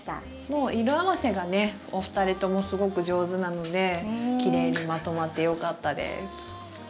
もう色合わせがねお二人ともすごく上手なのできれいにまとまってよかったです。